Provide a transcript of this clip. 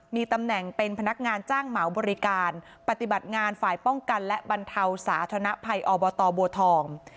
มีตำแหน่งเป็นพนักงานจ้างเหมาบริการปฏิบัติงานฝ่ายป้องกันและบรรเทาสาธนภัยอบตบัวทอง